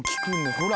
ほら。